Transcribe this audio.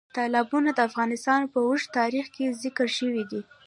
تالابونه د افغانستان په اوږده تاریخ کې ذکر شوی دی.